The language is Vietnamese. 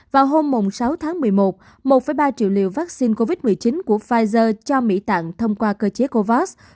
vào hôm sáu tháng một mươi một một ba triệu liều vaccine covid một mươi chín của pfizer cho mỹ tặng thông qua cơ chế covax